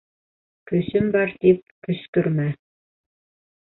Көсөм бар тип, көскөрмә.